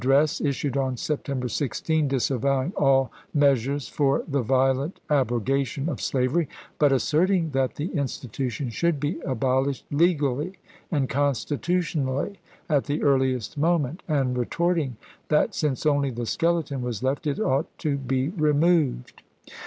dress, issued on September 16, disavowing all meas ii^eb^^' ures for the violent abrogation of slavery, but asserting that the institution should be abolished legally and constitutionally at the earliest mo ment, and retorting that since only the skeleton was left it ought to be removed.